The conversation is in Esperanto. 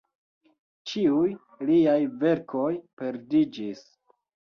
Ĉiuj liaj verkoj perdiĝis.